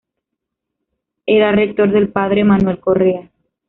Era rector el padre Manuel Correa.